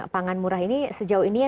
pangan murah ini sejauh ini ya